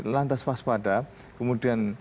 lantas waspada kemudian